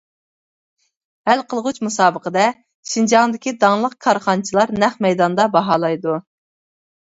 ھەل قىلغۇچ مۇسابىقىدە، شىنجاڭدىكى داڭلىق كارخانىچىلار نەق مەيداندا باھالايدۇ.